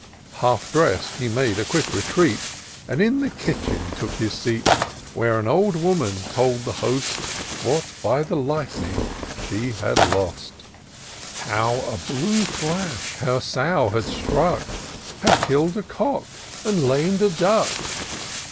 Half *dress'd he made a quick retreat, And in the kitchen took his seat. Where an old woman told the host, What by the lightning she had lost ; How a blue flash her sow had struck, Had kill'd a cock and lam'd a duck